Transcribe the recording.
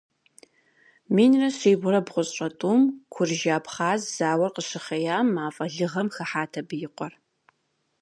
Минрэ щибгъурэ бгъущӀрэ тӀум, куржы-абхъаз зауэр къыщыхъеям, мафӀэ лыгъэм хыхьат абы и къуэр.